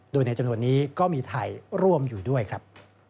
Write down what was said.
โดยในจำนวนนี้ก็มีไทยร่วมอยู่ด้วยครับ